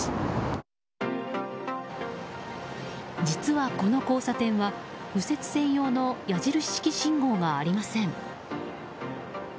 実は、この交差点は右折専用の矢印式信号がありません。